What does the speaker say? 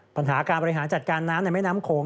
ปัญหาการบริหารจัดการน้ำในแม่น้ำโขง